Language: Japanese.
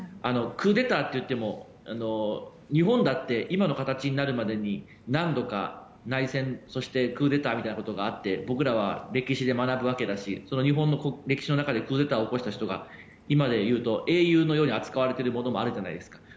クーデターといっても日本だって今の形になるまでに何度か内戦そしてクーデターみたいなことがあって僕らは歴史で学ぶわけだし日本の歴史の中でクーデターを起こした人が今で言うと英雄のように扱われているものもあるじゃないですか。